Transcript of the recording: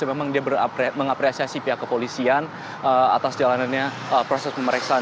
memang dia mengapresiasi pihak kepolisian atas jalanannya proses pemeriksaan